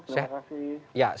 sehat ya mas